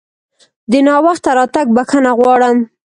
د ناوخته راتګ بښنه غواړم!